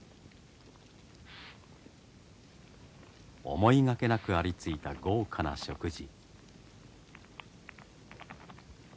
思いがけなくありついた豪華な食事。